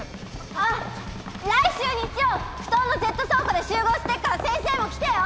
あっ来週日曜埠頭のゼット倉庫で集合してっから先生も来てよ！